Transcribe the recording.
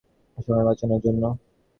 সময় বাঁচানোর জন্য?